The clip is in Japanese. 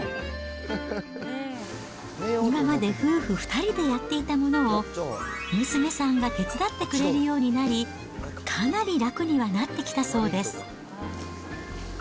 今まで夫婦２人でやっていたものを、娘さんが手伝ってくれるようになり、かなり楽にはなってきたそうです。